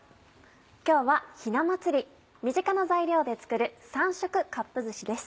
今日はひな祭り身近な材料で作る「３色カップずし」です。